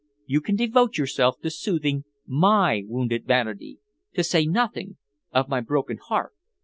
You can devote yourself to soothing my wounded vanity, to say nothing of my broken heart."